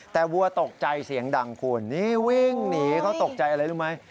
แต่วัวตกใจเสียงดังคุณนี่วิ่งหนีเขาตกใจอะไรรู้ไหม